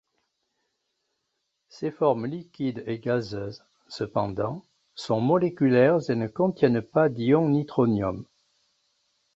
Ses formes liquide et gazeuse, cependant, sont moléculaires et ne contiennent pas d'ion nitronium.